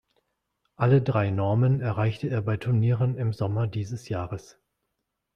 Alle drei Normen erreichte er bei Turnieren im Sommer dieses Jahres.